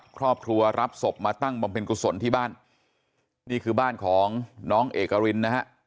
ครอบครัวรับศพมาตั้งบำเพ็ญกุศลที่บ้านนี่คือบ้านของน้องเอกรินนะฮะ